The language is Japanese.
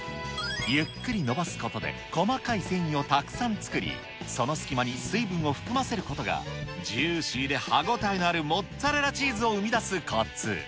ゆっくりのばすことで、細かい繊維をたくさん作り、その隙間に水分を含ませることが、ジューシーで歯応えのあるモッツァレラチーズを生み出すこつ。